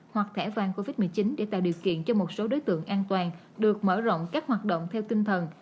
hoặc thẻ vàng covid một mươi chín để tạo điều kiện cho một số đối tượng an toàn được mở rộng các hoạt động theo tinh thần